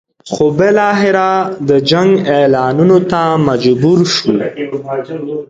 خو بالاخره د جنګ اعلانولو ته مجبور شو.